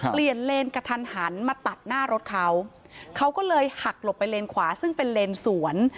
เปลี่ยนเลนกระทันหันมาตัดหน้ารถเขาเขาก็เลยหักหลบไปเลนขวาซึ่งเป็นเลนสวน